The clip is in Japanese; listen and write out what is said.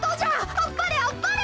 あっぱれあっぱれ！」。